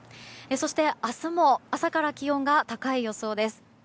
明日も朝から気温が高い予想です。